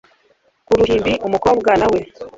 ku ruhimbi; umukobwa na we